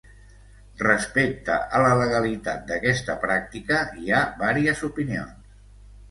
Respecte a la legalitat d’aquesta pràctica, hi ha vàries opinions.